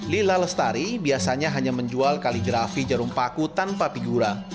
lila lestari biasanya hanya menjual kaligrafi jarum paku tanpa figura